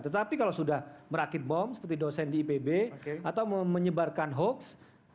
tetapi kalau sudah merakit bom seperti dosen di ipb atau menyebarkan hoax